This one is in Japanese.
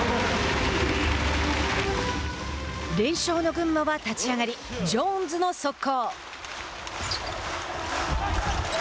連勝の群馬は立ち上がり、ジョーンズの速攻。